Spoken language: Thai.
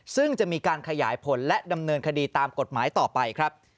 ซึ่งจะมีการขยายผลและดำเนินคดีตามกฎหมายต่อไปครับ